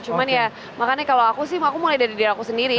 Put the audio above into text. cuman ya makanya kalau aku sih aku mulai dari diri aku sendiri